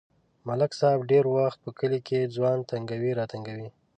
ملک صاحب ډېری وخت په کلي کې ځوان تنگوي راتنگوي.